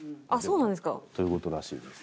という事らしいです。